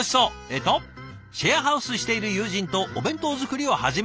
えっと「シェアハウスしている友人とお弁当作りを始めました！